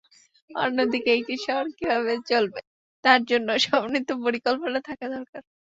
অন্যদিকে একটি শহর কীভাবে চলবে, তার জন্য সমন্বিত পরিকল্পনা থাকা দরকার।